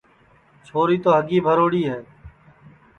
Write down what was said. چھوری تو ہگی بھروڑی ہے